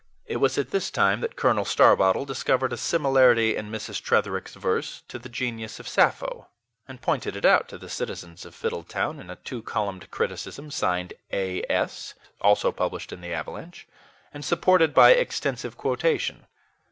It was at this time that Colonel Starbottle discovered a similarity in Mrs. Tretherick's verse to the genius of Sappho, and pointed it out to the citizens of Fiddletown in a two columned criticism, signed "A. S.," also published in the AVALANCHE, and supported by extensive quotation.